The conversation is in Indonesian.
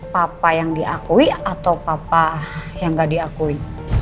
papa yang diakui atau papa yang gak diakui